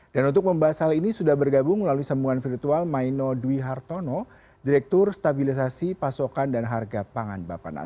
dan untuk membahas hal ini sudah bergabung melalui sambungan virtual maino dwi hartono direktur stabilisasi pasokan dan harga pangan bapak